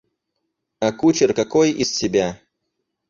А кучер какой из себя?